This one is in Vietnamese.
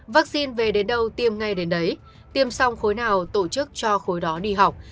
vaccine về đến đâu tiêm ngay đến đấy tiêm xong khối nào tổ chức cho khối đó đi học